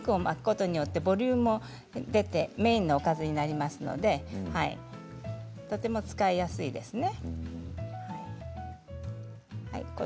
肉を巻くことによってボリュームが出てメインのおかずになりますのでとても使いやすいですね。